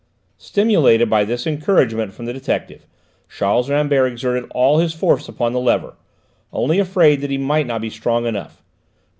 Stimulated by this encouragement from the detective, Charles Rambert exerted all his force upon the lever, only afraid that he might not be strong enough.